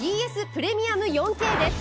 プレミアム４Ｋです。